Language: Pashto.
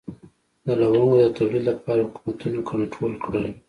د لونګو د تولید لپاره حکومتونه کنټرول کړل.